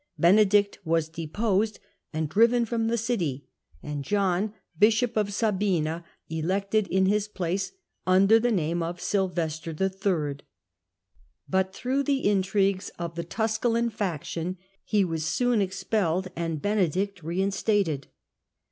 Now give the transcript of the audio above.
Benedict was deposed and driven from the city, and John, bishop of Sabina, elected in his place, under the name of Sylvester III., but through the intrigues of the Tusculan faction he was soon expelled and Benedict reinstated.